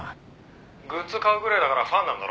「グッズ買うぐらいだからファンなんだろ？」